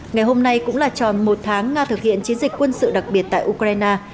ngày hôm nay cũng là tròn một tháng nga thực hiện chiến dịch quân sự đặc biệt tại ukraine